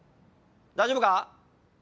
大丈夫か！？